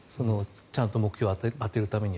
ちゃんと目標に当てるためには。